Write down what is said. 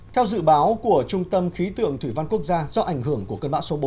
theo dự báo của trung tâm khí tượng thủy văn quốc gia do ảnh hưởng của cơn bão số bốn